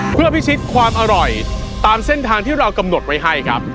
เพื่อพิชิตความอร่อยตามเส้นทางที่เรากำหนดไว้ให้ครับ